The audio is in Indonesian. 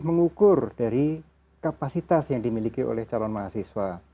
mengukur dari kapasitas yang dimiliki oleh calon mahasiswa